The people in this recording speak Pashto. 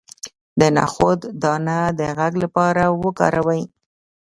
د نخود دانه د غږ لپاره وکاروئ